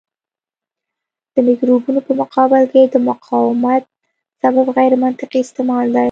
د مکروبونو په مقابل کې د مقاومت سبب غیرمنطقي استعمال دی.